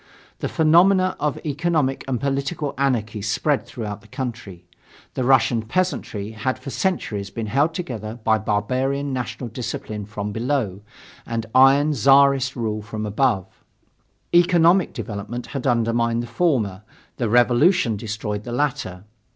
The phenomena of economic and political anarchy spread throughout the country. The Russian peasantry had for centuries been held together by barbarian national discipline from below and iron Czarist rule from above. Economic development had undermined the former, the revolution destroyed the latter.